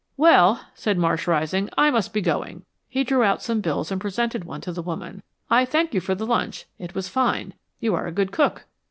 "Well," said Marsh, rising. "I must be going." He drew out some bills and presented one to the woman. "I thank you for the lunch. It was fine. You are a good cook."